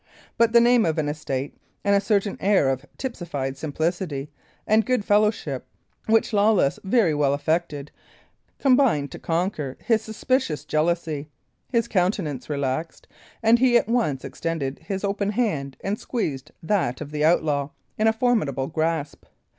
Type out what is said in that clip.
But the name of an estate, and a certain air of tipsified simplicity and good fellowship which Lawless very well affected, combined to conquer his suspicious jealousy; his countenance relaxed, and he at once extended his open hand and squeezed that of the outlaw in a formidable grasp.